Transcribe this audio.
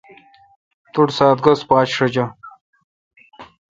تو ٹھ سات گز پاچ شجہ۔